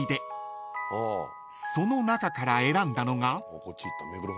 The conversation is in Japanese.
［その中から選んだのが］